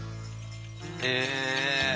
へえ。